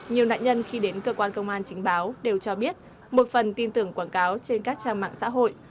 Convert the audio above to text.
nhiều nạn nhân khi đến cơ quan công an chính báo đều cho biết một phần tin tưởng quảng cáo trên các trang mạng xã hội